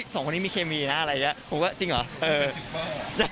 สองคนนี้มีเคมีนะอะไรอย่างนี้ผมก็จริงเหรอ